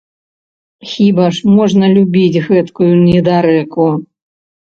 Хіба ж можна любіць гэткую недарэку!